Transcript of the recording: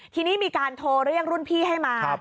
ทีนี้มีการโทรเรียกรุ่นพี่ให้มา